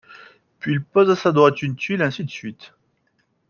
Puis, il pose à sa droite une tuile, ainsi de suite.